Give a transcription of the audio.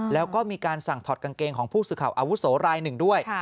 แล้วก็มีการสั่งถอดกางเกงของผู้สื่อข่าวอาวุโสรายหนึ่งด้วย